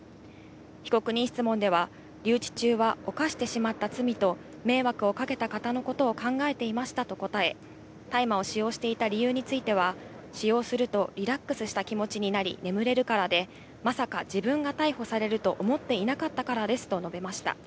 被告人質問では留置中は犯してしまった罪と迷惑をかけた方のことを考えていましたと答え、大麻を使用していた理由については、使用するとリラックスした気持ちになり眠れるからで、まさか自分が逮捕されると思っていなかったからですと述べました。